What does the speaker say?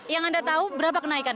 yang anda tahu berapa kenaikan